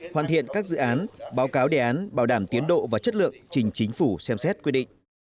hoàn thiện các dự án báo cáo đề án bảo đảm tiến độ và chất lượng trình chính phủ xem xét quyết định